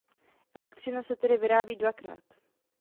Elektřina se tedy vyrábí "dvakrát".